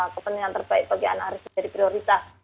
kepentingan terbaik bagi anak harus menjadi prioritas